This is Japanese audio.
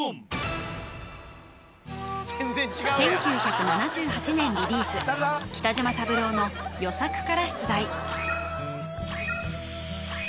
全然違うやん１９７８年リリース北島三郎の「与作」から出題